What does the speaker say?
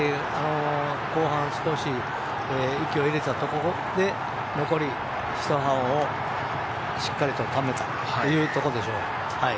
後半、少し息を入れたところで残り１ハロンを、しっかりとためたというところでしょう。